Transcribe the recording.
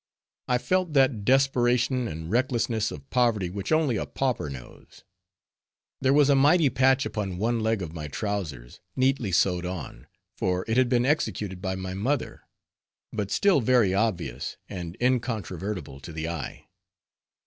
I felt that desperation and recklessness of poverty which only a pauper knows. There was a mighty patch upon one leg of my trowsers, neatly sewed on, for it had been executed by my mother, but still very obvious and incontrovertible to the eye.